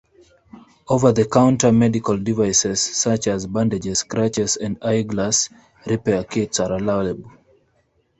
Over-the-counter medical devices, such as bandages, crutches, and eyeglass repair kits, are allowable.